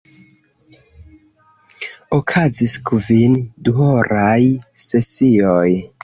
Okazis kvin duhoraj sesioj.